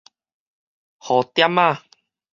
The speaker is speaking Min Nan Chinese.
雨點仔